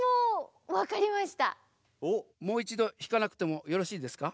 もういちどひかなくてもよろしいですか？